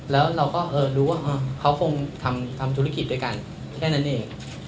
แล้วเราก็รู้ว่าเขาคงทำธุรกิจด้วยกันแค่นั้นเอง